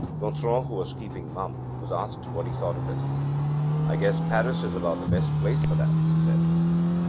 Gontran, who was keeping mum, was asked what he thought of it. âI guess Paris is about the best place for that,â he said.